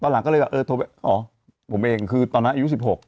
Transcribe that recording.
หลังก็เลยแบบเออโทรไปอ๋อผมเองคือตอนนั้นอายุ๑๖